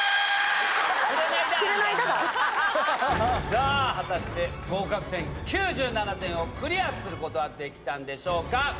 さぁ果たして合格点９７点をクリアすることはできたんでしょうか？